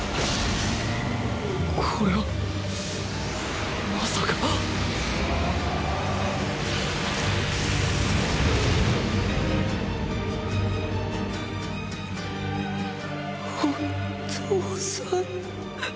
これは⁉まさかおとうさん？